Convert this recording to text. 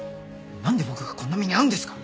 なんで僕がこんな目に遭うんですか！